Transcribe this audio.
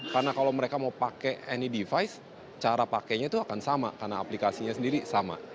karena kalau mereka mau pakai any device cara pakainya itu akan sama karena aplikasinya sendiri sama